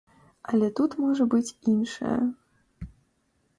Але тут можа быць іншае.